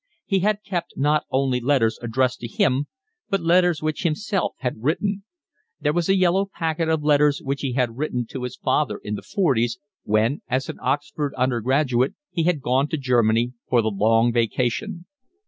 He had kept not only letters addressed to him, but letters which himself had written. There was a yellow packet of letters which he had written to his father in the forties, when as an Oxford undergraduate he had gone to Germany for the long vacation.